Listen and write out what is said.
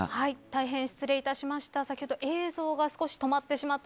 大変失礼いたしました。